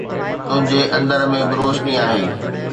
تنهنجي اندر ۾ به روشني آهي